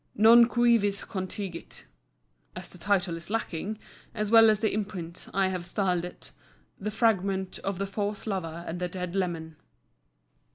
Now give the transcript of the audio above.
Non cuivis contingit. As the title is lacking, as well as the imprint, I have styled it THE FRAGMENT OF THE FAUSE LOVER AND THE DEAD LEMAN.